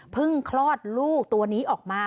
คลอดลูกตัวนี้ออกมา